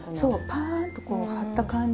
パーッとこう張った感じが。